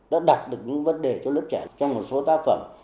đã đạt được những vấn đề cho lớp trẻ trong một số tác phẩm